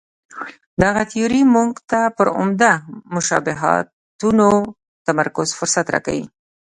دغه تیوري موږ ته پر عمده مشابهتونو تمرکز فرصت راکوي.